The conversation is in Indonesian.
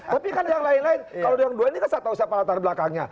tapi kan yang lain lain kalau yang dua ini kan saya tahu siapa latar belakangnya